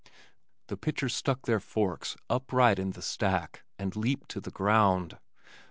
The pitchers stuck their forks upright in the stack and leaped to the ground.